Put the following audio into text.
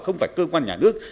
không phải cơ quan nhà nước